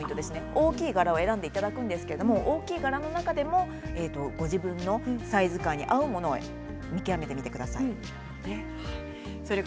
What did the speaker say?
大きい柄を選んでいただくんですけど大きい柄の中でご自分のサイズ感に合うものを見極めてみてください。